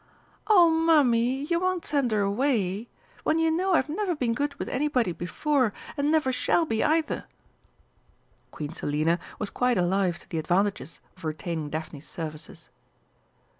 "Oh, Mummy, you won't send her away? When you know I've never been good with anybody before, and never shall be, either!" Queen Selina was quite alive to the advantages of retaining Daphne's services.